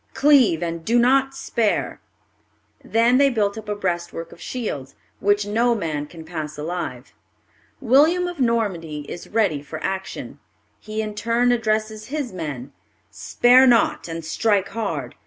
Cleave, and do not spare!" Then they build up a breastwork of shields, which no man can pass alive. William of Normandy is ready for action. He in turn addresses his men: "Spare not, and strike hard.